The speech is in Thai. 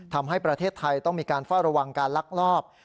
ทำให้ประเทศไทยต้องมีการเฝ้าระวังการลักลอบ